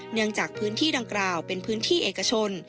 เนื่องจากพื้นที่ดังกล่าวเป็นพื้นที่เอกชน